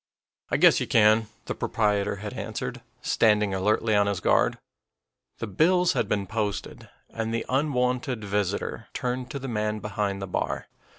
"I guess you can," the proprietor had answered, standing alertly on his guard. The bills had been posted, and the unwonted visitor turned to the man behind the bar.